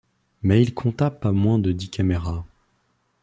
Mais il compta pas moins de dix caméras.